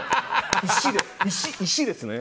石ですね。